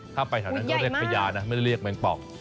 ถ้าไปแถวนั้นก็เรียกพญานะไม่ได้เรียกแมงปอง